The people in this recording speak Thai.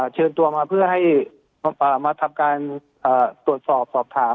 เชิญตัวมาเพื่อให้มาทำการตรวจสอบสอบถาม